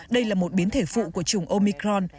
đây là một biến thể phụ của chủng omicron